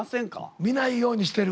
見ないようにしてる。